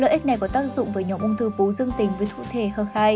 lợi ích này có tác dụng với nhóm ung thư vú dương tình với thụ thể h hai